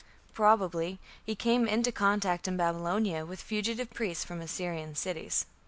Probably he came into contact in Babylonia with fugitive priests from Assyrian cities.